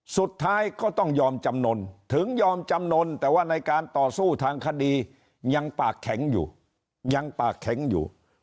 สุดท้ายก็ต้องยอมจำนวนถึงยอมจำนวนแต่ว่าในการต่อสู้ทางคดียังปากแข็งอยู่ยังปากแข็งอยู่